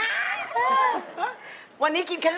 ฮะเพราะวันนี้กินคาล้าน